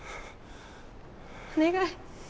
お願い！